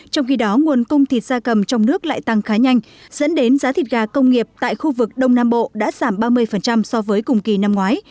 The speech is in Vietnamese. trong khi đó nguồn cung thịt gia cầm trong nước lại tăng khá nhanh dẫn đến giá thịt gà công nghiệp tại khu vực đông nam bộ đã giảm ba mươi so với cùng kỳ năm ngoái